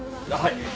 はい。